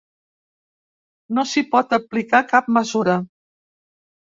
No s’hi pot aplicar cap mesura.